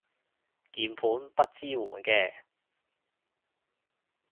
鍵盤不支援嘅